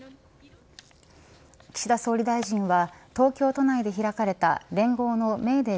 岸田総理大臣は東京都内で開かれた連合のメーデー